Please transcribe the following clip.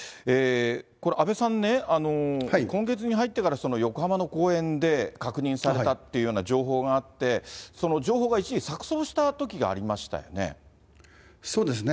阿部さんね、今月に入ってから横浜の公園で確認されたっていうような情報があって、情報が一時、錯そうしたときがありましたよね。